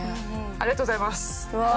おめでとうございます。